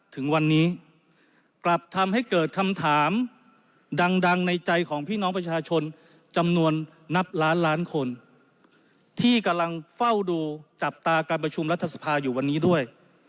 ถึงวันนี้กลับทำให้เกิดคำถามดังในใจของพี่น้องประชาชนจำนวนนับล้านล้านคนที่กำลังเฝ้าดูจับตาการประชุมรัฐสภาอยู่วันนี้ด้วย